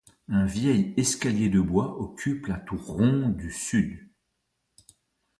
Un vieil escalier de bois occupe la tour ronde du Sud.